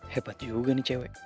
hebat juga nih cewek